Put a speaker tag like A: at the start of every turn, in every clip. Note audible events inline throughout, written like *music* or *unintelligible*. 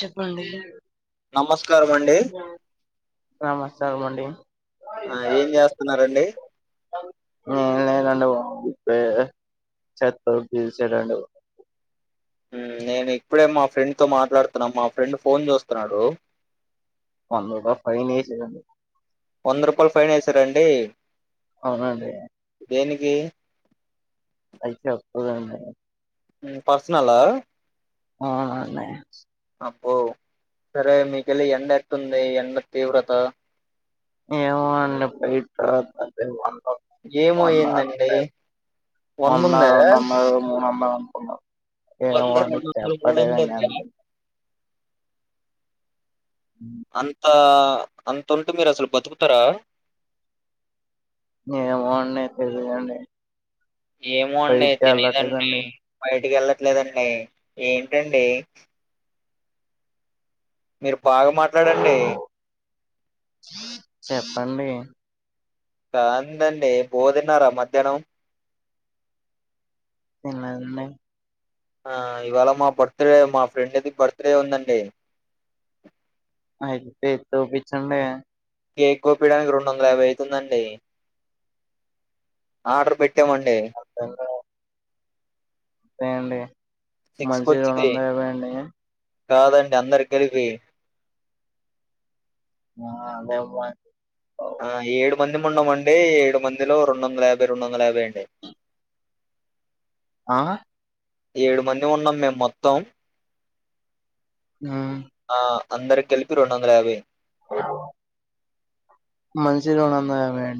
A: చెప్పండి?
B: నమస్కారం అండి.
A: సగమండి.
B: ఆ ఏం చేస్తున్నారండి
A: ఏం లేదండి బా ఇప్పుడే చెత్తో చ్చేసాడండి బా
B: ఉమ్ నేను ఇప్పుడే మా ఫ్రెండ్ తో మాట్లాడుతున్న, మా ఫ్రెండ్ ఫోన్ చేస్తున్నాడు.
A: మొన్నొక ఫైన్ ఎసిర్రండీ.
B: వంద రూపాలు ఫైన్ వేసారండి.
A: అహా అదే
B: దేనికి?
A: ఐతే అప్రూవ్ అయినయి.
B: ఉమ్ పర్సనలా?
A: ఆ అన్నయ
B: అబ్బో సరే, మీకెళ్లి ఎండ ఎట్టుంది? ఎండ తీవ్రత?
A: ఏమో అండి పోయింతర్వత తెల్ వంద,
B: ఏమో
A: రెండు
B: ఏందండి వంద ఉందా
A: వందలు, మూడు వందలు అనుకున్నా. ఏమో
B: వంద
A: అండి
B: రెండు వందలు మూడు వందలు
A: చెప్పలేదండి
B: ఉందా
A: ఎన్
B: అంత, అంతుంటే మీరసలు బతుకుతరా?
A: ఏమో అండి, తేలీదండి.
B: ఏమో అండి తెలీదండి, బయటికెల్లట్ లేదండి, ఏంటండి? మీరు బాగా మాట్లాడండి?
A: చెప్పండి?
B: కాందండి, బువ్వ తిన్నారా మధ్యాహ్నం?
A: తిన్న అండి.
B: ఆ ఇవాళ మా బర్త్డే, మా ఫ్రెండ్ది బర్త్డే ఉందండి.
A: అయితే చూపించండి.
B: కేక్ కోపియడానికి రెండు వందల యాభై అయితుందండి, ఆర్డర్ పెట్ ట్టా మండి.
A: తే అండి.
B: కు
A: మనిషికి రెండు
B: వచ్చింది
A: వందల యాబై అండి
B: కాదండి అందరి కలిపి
A: ఆ అదే బ
B: ఆ ఏడు మంది మన్నామండి ఏడు మందిలో రెండు వందల యాభై రెండు వందల యాభై అంటే
A: ఆ
B: ఏడు మంది ఉన్నాం మేము మొత్తం
A: ఉమ్,
B: ఆ అందరికి కలిపి రెండు వందల యాభై
A: మంచి రెండు వందల యాబై ఆ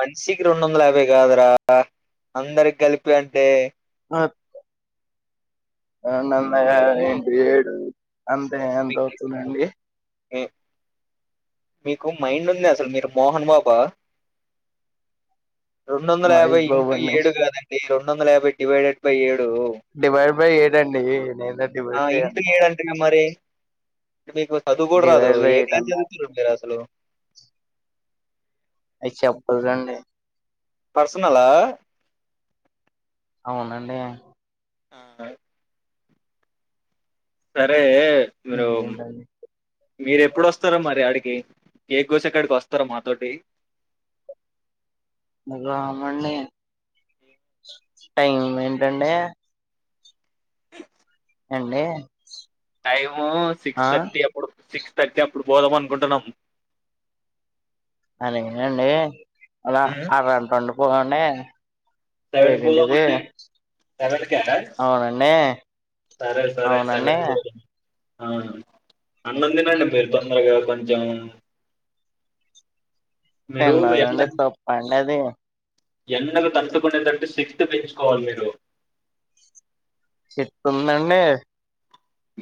B: వన్ సిక్స్ కి రెండు వందల యాభై కాదురా అందరికి కలిపి అంటే
A: అ ఆ నందగా
B: మేము
A: ఏంటి ఏడు అంతే ఎంత అవుతుందండి
B: ఒ మీకు మైండ్ ఉంది అసలు మీరు మోహన్ బాబా రెండు వందల యాభై
A: మహేష్
B: ఇన్
A: బాబు
B: టు
A: అండి
B: ఏడు కాదండి రెం రెండు వందల యబై డివడెడ్ బై ఏడు
A: డివైడ్ బై ఏడండి నేనా
B: ఆ!
A: డివల్ పై
B: ఇంటూ
A: అన్నా
B: ఏడంటేగా మరి మీకు చదువు కూడ రాదు
A: divide by
B: a
A: eight
B: class
A: అన్నా
B: అవుతున్నావ్ చూపి రాసలు
A: అ చెప్పదు రండి
B: పర్సనలా
A: అవునండి
B: ఆ సరే మీరు
A: ఇంకేంటండి
B: మీరు ఎప్పుడు వస్తారో మరి అడి కె కేక్ కోసే కాడికి వస్తారా మాతోటి
A: మరి రామ్ అండి టైం ఏంటండీ అండి
B: టైమ్ సిక్స్
A: ఆ
B: థర్టీ అప్పుడు సిక్స్ థర్టీ అప్పుడు పోదాం అనుకుంటున్నాము
A: అలే అండి అలా ఆర్ అంటుండు పోన్న
B: సెవెన్ కి పోదాం అండి సెవెన్ కా
A: అవునండి
B: సరే సరే
A: అవునండి
B: సెవెన్ కి పోదాం ఆ అన్న తినండి మీరు తొందరగా కొంచెం మీరు
A: తన్నదండి తప్ప అండి అది
B: ఎన్నగ తట్కునేదంటటు శక్తి పెంచుకోవాలి మీరు
A: చెత్తందన్న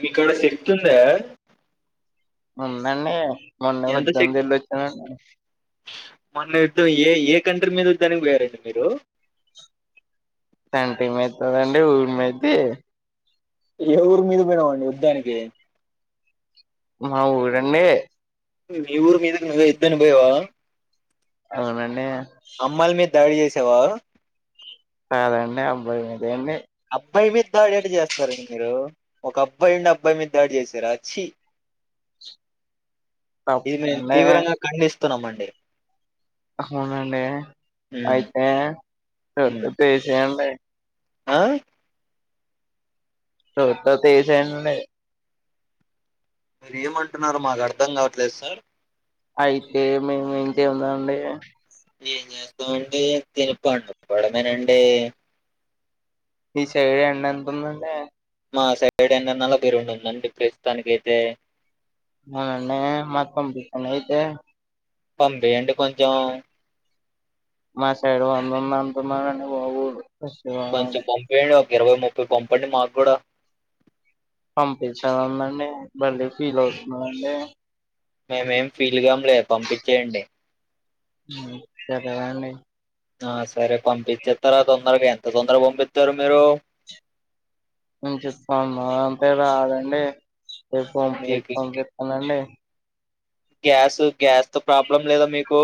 B: మీక్కడ సిక్తుందా
A: ఉందండి మొన్న
B: ఎంత శక్తి
A: వద్ద్దని తెళ్లి వచ్చానండి
B: మొన్న యుద్ధం ఏ ఏ కంట్రీ మీద వధానికి వేరండి మీరు
A: అంటే ఏమైతుందండి ఊరిమయితే
B: ఏ ఊరు మీద పెడమండి వద్ధానికి
A: మా ఉరు అండీ
B: మీ ఊరు మీద ఇద్దను పోయవా
A: అవున అండీ
B: అమల్ మ దాడి చేసవా
A: కదా అండీ అబై ఎమిద అండి
B: అబ్బాయి మీద దాడి ఎట చేస్తారండి మీరు ఒక అబ్బాయి ఉండి అబ్బాయి మీద దాడి చేసారా చీ ఇది మే
A: తప్పండి
B: తీవ్రంగా కండిస్ తున్నామండి
A: అవునండి అయితే
B: ఉమ్.
A: తీసేయండి
B: ఆ
A: సోత్తతే సై అండీ
B: మరి ఏమంటున్నారు మాకు అర్ధం కావట్లేదు సార్
A: అయితే మేము ఏంతేముందండి
B: ఎమ్ చెస్తాం అండీ తనిప్ప పడమనండ
A: ఈ చెడి ఎండ ఎంతందండి
B: మా సైడ్ ఏంట నల పేరు రెందుఉంధండి ప్రస్తుతానినికి అయితే
A: అవునా అండీ మరి పంపిచండి అయ్తే
B: పంబంటడి కొంచం
A: మా సైడ్ వంద ఉన్న అంటున్నారు అండీ బాబు శివ
B: పంచ పంపియాడు ఇరవై ముప్పై పంపండి మాకు కూడా
A: పంపిస్తానుందండి మళ్ళీ ఫీల్ అవుతుండి
B: మేమేం ఫీల్గాంలేదు పంపించేయండి
A: ఉమ్ సరే అండి
B: ఆ సరే పంపించేస్తారా తొందరగా ఎంత తొందరగా పంపిస్తారు మీరు
A: నేను చెప్ ఉన్నా అంతే రాదండి రేపు పం
B: మీకు
A: పంపిస్తానండి
B: గ్యాస్ గ్యాస్ త ప్రాబ్లం లేదా మీకు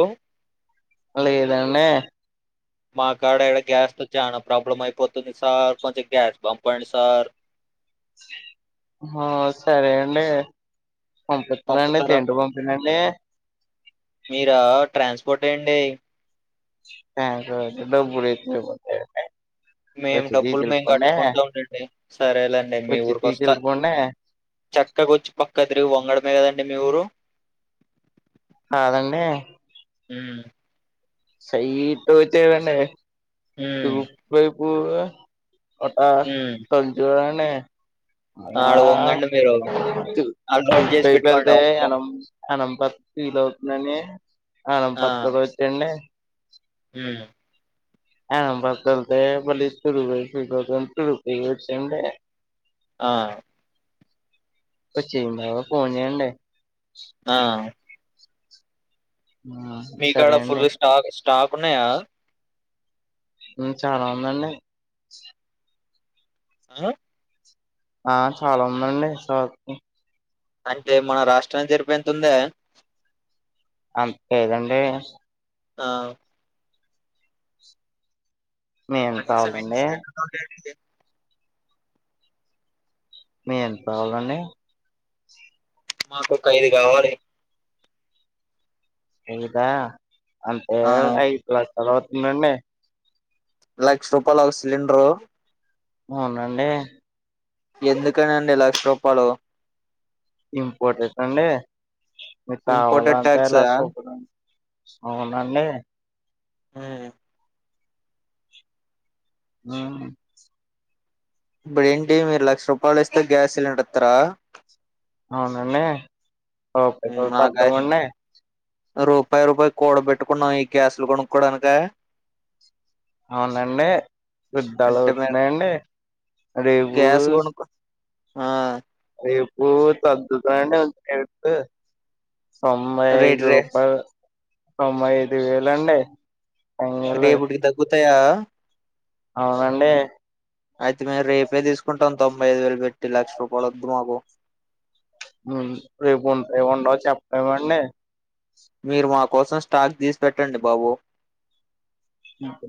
A: అలా ఏదాన్న
B: మా కాడ ఈడ గ్యాస్ తో చానా ప్రాబ్లం అయిపోతుంది సార్ కొంచెం గ్యాస్ పంపండి సార్
A: ఆ సరే అండి పంపిస్తుందండి
B: పంపుతారా
A: తింటూ పంపినండి
B: మీరా ట్రాన్స్పోర్ట్ ఏండి
A: బ్యాంకు లో *unintelligible* వేస్తే పోతాయండి
B: మేము డబ్బులు మేము కట్టుకుంటాం లెండి సరేలేండి మీ
A: వచ్చి
B: ఊరిక వస్తా
A: తీసుకెళ్ళిపోండి
B: చక్కగా వచ్చి పక్క తిరిగి వంగడ లేదండి మీ ఊరు
A: కాదండి
B: మ్
A: సై టు వచ్చేవండి. తూ
B: ఉమ్
A: పె ఉ ఏ ఒక
B: ఉమ్
A: కజ్జురా మే
B: ఆడ వంగండి మీరు ఆడ నోట్ చేసి పెట్టుకోండి వస్తం
A: నంపర్తి లో ఉందని హ బస్సులో వచ్చేయండి
B: మ్
A: *unintelligible*
B: ఆ
A: వచ్చిందా ఫోన్ చేయండీ
B: ఆ మీ కాడ
A: సరే అండి
B: ఫుల్ స్టాక్ స్టాక్ ఉన్నాయా
A: చాలా ఉందండి
B: ఆ
A: ఆ చాలా ఉందండి
B: అంటే మన రాష్ట్రానికి జరిపెంతుందా
A: అంత లేదండి
B: ఆ
A: ఏం కావాలండి
B: కె
A: మీకు ఎంత కావాలండి
B: మాకొక ఐదు కావాలి
A: ఎంత అంటే
B: ఆ
A: ఐదు గ్లాస్ ద అవుతుందండి
B: లక్ష రూపాయలు వో సిలిండరు
A: అవునండి
B: ఎందుకనండి లక్ష రూపాయలు
A: ఇంపర్టెంట్ అండి మిక్
B: ఇంపోర్టెడ్
A: కావాలంటే
B: ట్యాక్స్ ఆ
A: లక్షరూపాయలు అవునండి
B: హ
A: ఉ
B: ఇప్పుడేంటి మీరు లక్ష రూపాయలు ఇస్తే గ్యాస్ సిలిండర్ ఇస్తారా
A: అవునండి ఓకే ఓ
B: నాక
A: ఫద్ద మండి
B: రూపాయి రూపాయి కూడ పెట్టుకున్నాం ఈ క్యాసులు కొనుక్కోడానిక.
A: అవునండి యుద్ధాలు
B: అంటే మే
A: అవుతున్నాయంండి రేపు
B: గ్యాస్ కొనుక్కో ఆ
A: రేపుూ తగ్గుతాండీ రేటు తొంబై అయిదు
B: రేటు రే
A: రూపాయ తొంభై ఐదు వేల అండి
B: రేపుటికి తగ్గుతాయా
A: అవునండి
B: అయితే మేము రేపే తీసుకుంట తొంబై అయిదు వేలు పెట్టి లక్ష రూపాయలు వద్దు మాకు
A: రేపు ఉంటాయి ఉండవు చెప్పలేమండి
B: మీరు మా కోసం స్టాక్ తీసి పెెట్టండి బాబో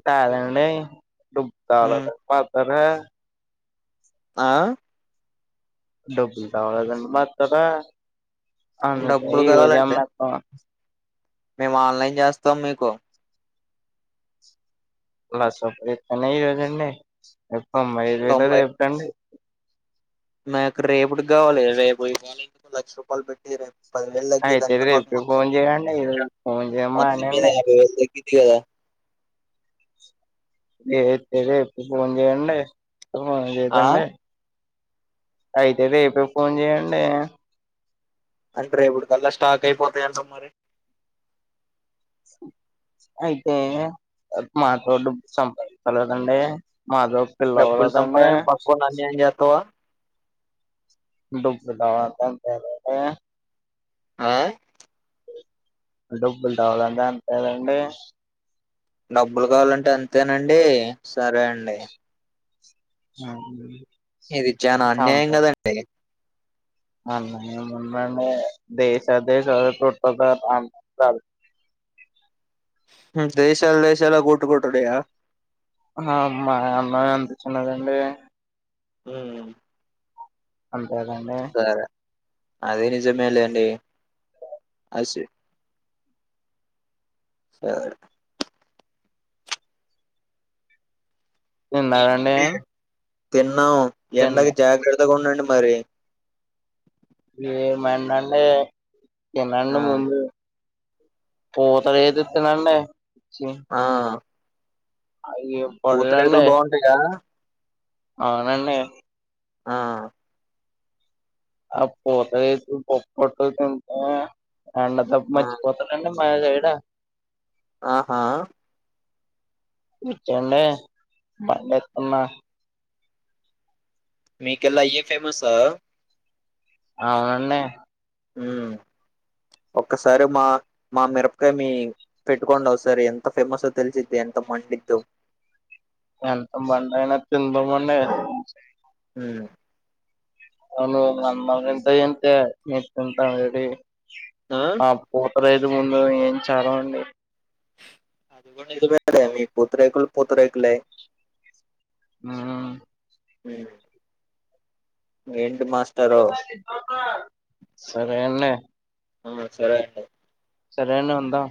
A: తాాలండి డబ్బ తాల
B: ఉమ్
A: పాతారు *inaudible*
B: ఆ
A: డబ్బులుతో అవలేదండి మాత్రార అన్నట్టు
B: డబ్బులు
A: ఈరోజే
B: కావాలంటే
A: అమ్మేతమ
B: మేము ఆన్లైన్ చేస్తాం మీకు
A: అలాస్పయతనే ఈ రోజండి తొడైదువేలు వేల రేపుటండి
B: నాకు రేపుడుకి కావాలి రేపు *unintelligible* లక్ష రూపాయలు పెట్టి రేపు పదివేలు తగ్గిద్ది అంటే
A: అయితేది
B: మాకు
A: రేపటికీ
B: మొత్తం
A: ఫోన్ చెయ్యండి ఈ రోజు ఫోన్ చేయడం
B: మొత్తం మీద
A: మానేయండి
B: యాభై వేలు తగ్గిద్ది కదా
A: గేతే రేపూఫోన్ చేయండి ఫోన్
B: ఆ
A: చేయొద్దండి అయితే రేపే ఫోన్ చేయండి
B: అంటే రేపటికల్ల స్టాక్ అయిపోతాయంట మరి
A: అయితే మాతోోడ్డు సంపైతలేదండి
B: డబ్బులు సంపాఎం పకోల్ని అన్యాయం చెత్తవా
A: బ *unintelligible* *inaudible*
B: ఆ
A: డబ్బులు రావాలంటే అంతేలేండి
B: డబ్బులు కావాలంటే అంత అంతేనండి సరే అండి *inaudible*
A: ఆ
B: ఇది చానా అన్యాయం కదండి
A: అన్న ఏముంది అండి దేశ దేశ
B: దేశాల్ దేశాలే కొట్టుకుంటాన్నయ్య
A: ఆ మా అన్న ఎంత చిన్నదండి
B: హు
A: అ కదండీ
B: అది నిజమే లేండి అసి సరే
A: ఉన్నారండి
B: పన్ ఎండకి జాగ్రత్త ఉత్తగా ఉండండి మరి
A: ఏమంటంే
B: ఆ
A: వినండి ముందు పోత ఏదిస్తనండి
B: ఆ
A: అయి
B: పూతరేకులు
A: పొడలండి
B: బాగుంటాయా
A: అవునండి
B: ఆ
A: ఆ పూతరేకులు పప్పాటుకొన్ని తింటే అండ తప్పు
B: ఆ
A: మర్చిపోతారండి మనది ఏడ
B: ఆహా
A: ఇచ్చేయండి బండిస్తున్న
B: మీకెల్లి అయ్యో ఫేమస్ ఆ
A: అవునండి
B: ఉ ఒక్కసారి మా మా మిరపకాయ మీ పెట్టుకోండి ఒకసారి ఎంత ఫేమస్సో తెలిసిద్ది ఎంత మండిదో
A: ఎంత మండిన తిందామడి
B: ఊ
A: అవును వంద మంది ఎంత ఆ పో ఎరైదు ముందు ఏం చలవండి
B: అది కూడా నిజమే లే మీ పూతరేకులు పూతరేకులే
A: ఆ
B: నువ్వు ఏం
A: సరే అండి
B: ఉమ్ సరే అండి
A: సరేనా ఉందాం